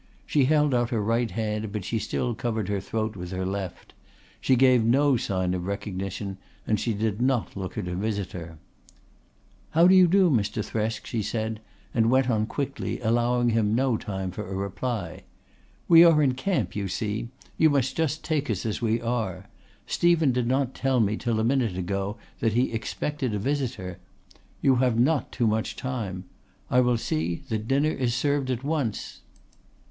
She held out her right hand but she still covered her throat with her left. She gave no sign of recognition and she did not look at her visitor. "How do you do, Mr. Thresk?" she said, and went on quickly, allowing him no time for a reply. "We are in camp, you see. You must just take us as we are. Stephen did not tell me till a minute ago that he expected a visitor. You have not too much time. I will see that dinner is served at once."